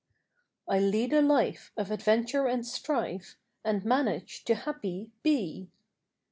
I lead a life of adventure and strife, And manage to happy be.